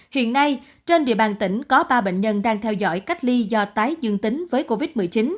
hiện nay trên địa bàn tỉnh có ba bệnh nhân đang theo dõi cách ly do tái dương tính với covid một mươi chín